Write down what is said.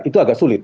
itu agak sulit